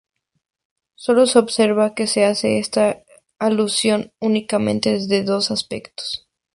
Solo se observa que se hace esta alusión únicamente desde dos aspectos.